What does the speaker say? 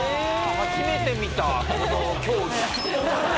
初めて見たこの競技。